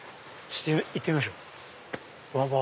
ちょっと行ってみましょう。